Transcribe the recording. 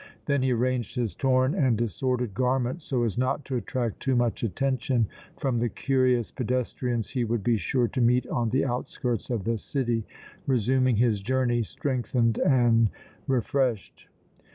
Then he arranged his torn and disordered garments so as not to attract too much attention from the curious pedestrians he would be sure to meet on the outskirts of the city, resuming his journey strengthened and refreshed.